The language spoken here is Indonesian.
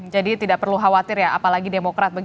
jadi tidak perlu khawatir ya apalagi demokrat